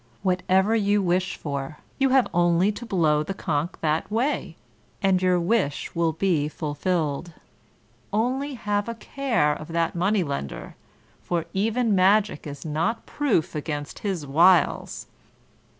whatever you wish for, you have only to blow the conch that way, and your wish will be fulfilled. Only, have a care of that Money lender, for even magic is not proof against his wiles!"